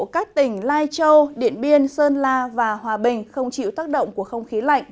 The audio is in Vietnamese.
các tỉnh lai châu điện biên sơn la và hòa bình không chịu tác động của không khí lạnh